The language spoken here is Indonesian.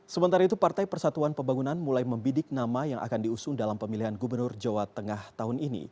sementara itu partai persatuan pembangunan mulai membidik nama yang akan diusung dalam pemilihan gubernur jawa tengah tahun ini